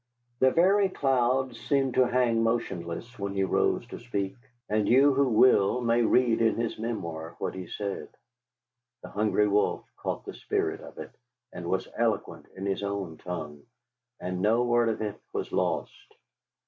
The very clouds seemed to hang motionless when he rose to speak, and you who will may read in his memoir what he said. The Hungry Wolf caught the spirit of it, and was eloquent in his own tongue, and no word of it was lost.